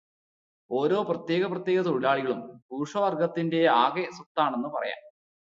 ഓരോ പ്രത്യേകം പ്രത്യേകം തൊഴിലാളിയും ബൂർഷ്വാവർഗത്തിന്റെയാകെ സ്വത്താണെന്ന് പറയാം.